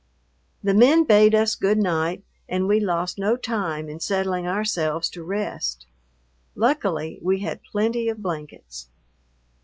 The men bade us good night, and we lost no time in settling ourselves to rest. Luckily we had plenty of blankets.